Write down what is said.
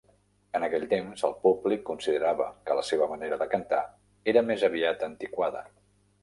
En aquell temps, el públic considerava que la seva manera de cantar era més aviat antiquada.